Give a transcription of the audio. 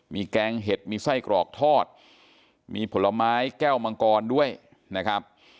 มีแกงเห็ดมีไส้กรอกทอดมีผลไม้แก้วมังกรด้วยนะครับ